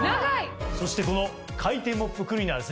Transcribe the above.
そしてこの回転モップクリーナーはですね